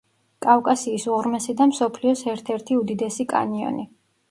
კავკასიის უღრმესი და მსოფლიოს ერთ-ერთი უდიდესი კანიონი.